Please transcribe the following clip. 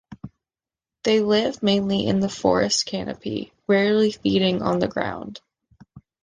They live mainly in the forest canopy, rarely feeding on the ground.